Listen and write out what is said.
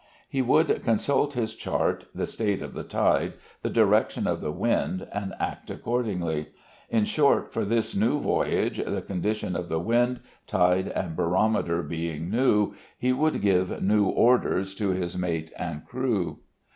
He would consult his chart, the state of the tide, the direction of the wind, and act accordingly. In short, for this new voyage, the condition of the wind, tide, and barometer being new, he would give new orders to his mate and crew.